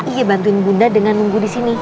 ia bantuin bunda dengan nunggu di sini